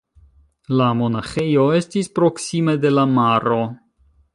La monaĥejo estis proksime de la maro.